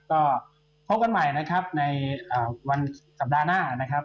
ก็พบกันใหม่นะครับในวันสัปดาห์หน้านะครับ